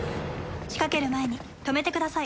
仕掛ける前に止めてください。